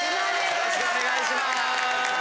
よろしくお願いします。